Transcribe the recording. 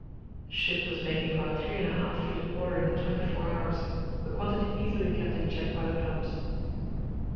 The ship was making about three and a half feet of water in the twenty four hours, a quantity easily kept in check by the pumps.